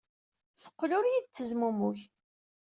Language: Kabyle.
Teqqel ur iyi-d-tettezmumug.